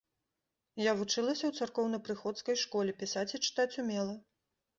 Я вучылася ў царкоўнапрыходскай школе, пісаць і чытаць умела.